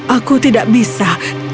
aku tidak bisa